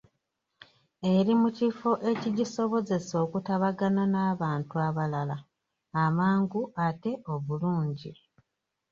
Eri mu kifo ekigisobozesa okutabagana n’abantu abalala amangu ate obulungi.